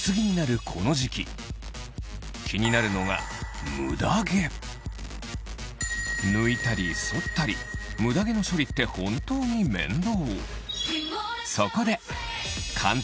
気になるのがムダ毛抜いたり剃ったりムダ毛の処理って本当に面倒